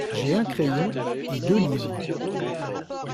J’ai un crayon et deux livres.